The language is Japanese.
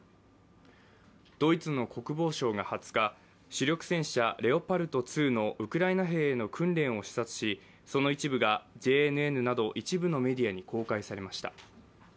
ドイツの国防相が２０日、主力戦車・レオパルト２のウクライナ兵への訓練を視察しその一部がＪＮＮなど一部のメディアに公開されました。